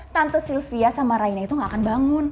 tante sylvia sama raina itu gak akan bangun